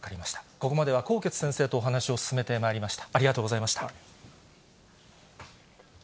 ここまでは纐纈先生とお話を進めてまいりました。